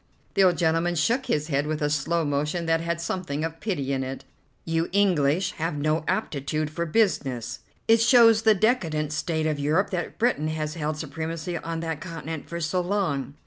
The old gentleman shook his head with a slow motion that had something of pity in it. "You English have no aptitude for business. It shows the decadent state of Europe that Britain has held supremacy on that continent for so long."